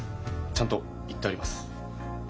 ちゃんと言ってあります。